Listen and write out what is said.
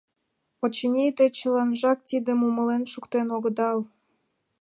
Очыни, те чыланжак тидым умылен шуктен огыдал.